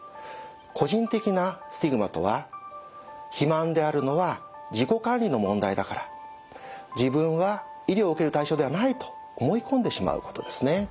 個人的なスティグマとは肥満であるのは自己管理の問題だから自分は医療を受ける対象ではないと思い込んでしまうことですね。